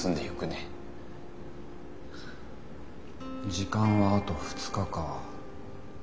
時間はあと２日か。